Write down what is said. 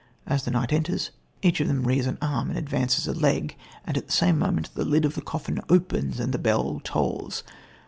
As the knight enters, each of them rears an arm and advances a leg and at the same moment the lid of the coffin opens and the bell tolls.